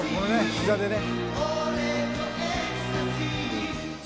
膝でね」